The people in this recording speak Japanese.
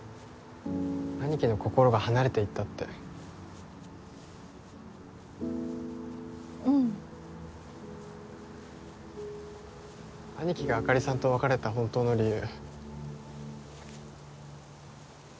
兄貴の心が離れていったってうん兄貴があかりさんと別れた本当の理由